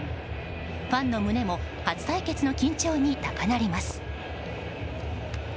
ファンの胸も初対決の緊張に高鳴ります。